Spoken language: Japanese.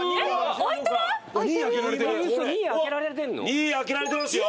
２位あけられてますよ。